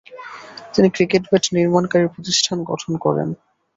তিনি cricket bat নির্মাণকারী প্রতিষ্ঠান গঠন করেন।